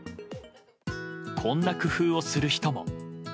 こんな工夫をする人も。